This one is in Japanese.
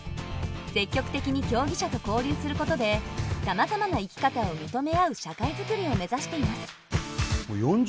積極的に競技者と交流することでさまざまな生き方を認め合う社会づくりを目指しています。